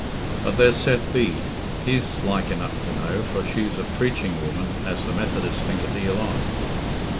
But there's Seth Bede; he's like enough to know, for she's a preaching woman as the Methodists think a deal on."